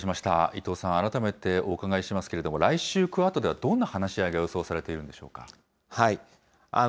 伊藤さん、改めてお伺いしますけれども、来週、クアッドではどんな話し合いが予想されているんでしょうか。